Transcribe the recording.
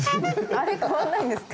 あれ変わんないんですか？